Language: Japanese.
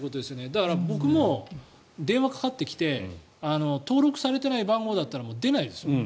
だから、僕も電話がかかってきて登録されていない番号だったら出ないです。